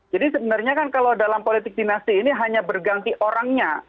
jadi sebenarnya kan kalau dalam politik dinasi ini hanya berganti orangnya